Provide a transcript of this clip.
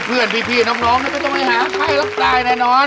เพื่อนพี่น้องน้องก็จะไปหางใครละตายแน่นอน